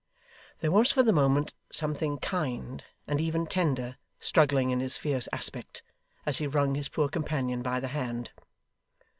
There was, for the moment, something kind, and even tender, struggling in his fierce aspect, as he wrung his poor companion by the hand.